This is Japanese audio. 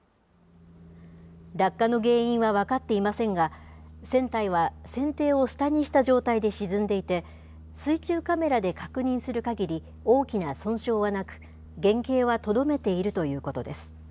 落下の原因は分かっていませんが、船体は船底を下にした状態で沈んでいて、水中カメラで確認するかぎり、大きな損傷はなく、原形はとどめているということです。